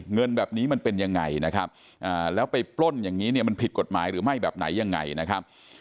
เงินแบบนี้มันเป็นยังไงนะครับแล้วไปปล้นอย่างนี้เนี่ยมันผิดกฎหมายหรือไม่แบบไหนยังไงนะครับ